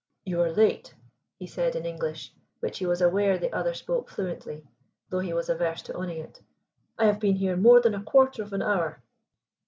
"You are late," he said in English, which he was aware the other spoke fluently, though he was averse to owning it. "I have been here more than a quarter of an hour."